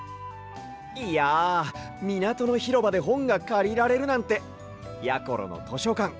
いやみなとのひろばでほんがかりられるなんてやころのとしょかん